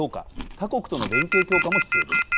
他国との連携強化も必要です。